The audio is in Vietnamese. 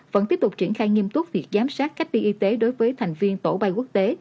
vẫn tiếp tục triển khai nghiêm túc việc giám sát cách ly y tế đối với thành viên tổ bay quốc tế